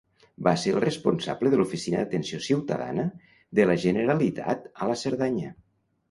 Va ser el responsable de l'Oficina d'Atenció Ciutadana de la Generalitat a la Cerdanya.